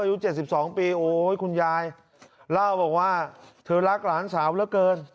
อายุ๗๒ปีโอ้ยคุณยายเล่าบอกว่าเธอรักหลานสาวเหลือเกิน